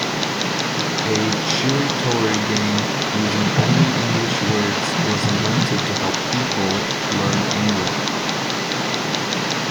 A Shiritori game using only English words was invented to help people learn English.